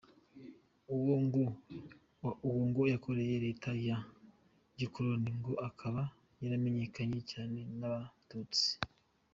Uwo ngo yakoreye Leta ya gikoloni, ngo akaba yaramenyanye cyane n’abatutsi.